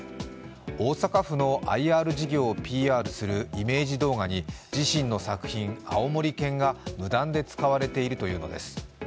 大阪府のＩＲ事業をＰＲするイメージ動画に自身の作品「あおもり犬」が無断で使われているというのです。